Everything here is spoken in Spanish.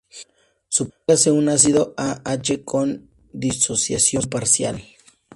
Supóngase un ácido "A"H con disociación parcial.